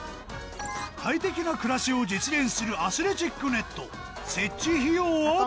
快適な暮らしを実現するアスレチックネット設置費用は？